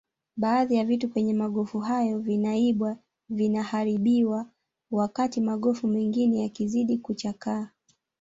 Baadhi ya vitu kwenye magofu hayo vinaibwa vinaharibiwa wakati magofu mengine yakizidi kuchakaa